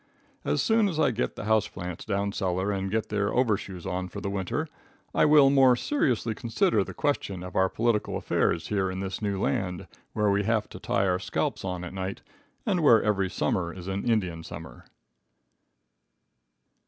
As soon as I get the house plants down cellar and get their overshoes on for the winter, I will more seriously consider the question of our political affairs here in this new land where we have to tie our scalps on at night and where every summer is an Indian summer.